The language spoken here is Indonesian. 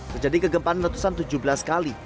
terjadi kegemparan ratusan tujuh belas km